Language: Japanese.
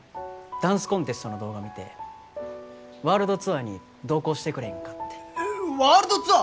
ダンスコンテストの動画見てワールドツアーに同行してくれへんかってワールドツアー！？